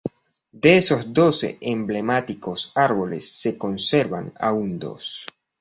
De esos doce emblemáticos árboles se conservan aún dos.